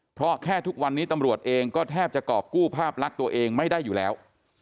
เพราะแค่ทุกวันนี้ตำรวจเองก็แทบจะกรอบกู้ภาพลักษณ์ตัวเองไม่ได้อยู่แล้ว